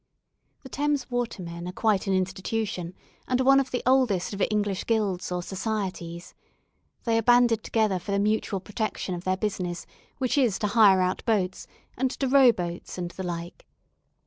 The Thames watermen are quite an institution, and are one of the oldest of English guilds or societies. They are banded together for the mutual protection of their business, which is to hire out boats and to row boats and the like.